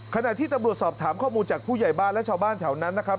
ขณะที่ตำรวจสอบถามข้อมูลจากผู้ใหญ่บ้านและชาวบ้านแถวนั้นนะครับ